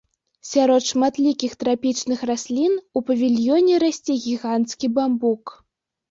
Сярод шматлікіх трапічных раслін, у павільёне расце гіганцкі бамбук.